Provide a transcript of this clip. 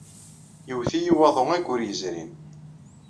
Iwet-iyi waḍu ayyur yezrin.